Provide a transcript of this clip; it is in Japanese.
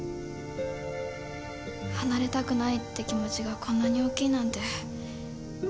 離れたくないって気持ちがこんなに大きいなんて。